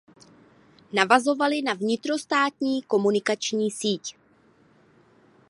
Navazovaly na vnitrostátní komunikační síť.